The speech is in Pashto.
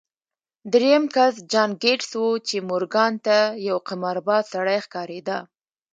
درېيم کس جان ګيټس و چې مورګان ته يو قمارباز سړی ښکارېده.